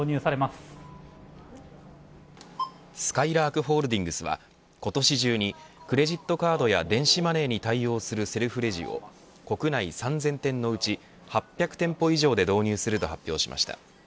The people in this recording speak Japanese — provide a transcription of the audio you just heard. すかいらーくホールディングスは今年中にクレジットカードや電子マネーに対応するセルフレジを国内３０００店のうち８００店舗以上で導入すると発表しました。